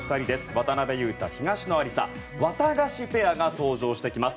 渡辺勇大・東野有紗ワタガシペアが登場してきます。